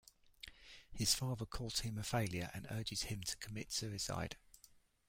His father calls him a failure, and urges him to commit suicide.